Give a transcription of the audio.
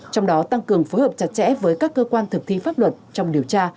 trong đó tăng cường phối hợp chặt chẽ với các cơ quan thực thi pháp luật trong điều tra